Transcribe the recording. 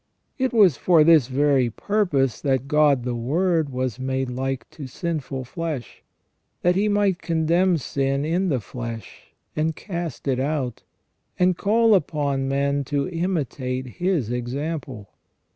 It was for this very purpose that God the Word was made like to sinful flesh, that He might condemn sin in the flesh, and cast it out, and call upon men to imitate His example.